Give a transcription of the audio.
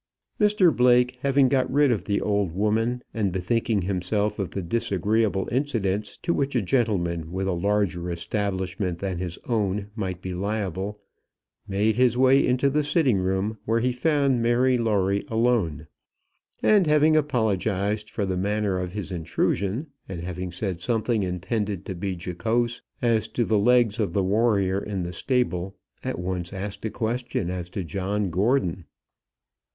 Mr Blake having got rid of the old woman, and bethinking himself of the disagreeable incidents to which a gentleman with a larger establishment than his own might be liable, made his way into the sitting room, where he found Mary Lawrie alone; and having apologised for the manner of his intrusion, and having said something intended to be jocose as to the legs of the warrior in the stable, at once asked a question as to John Gordon.